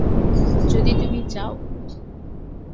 যদি তুমি চাও।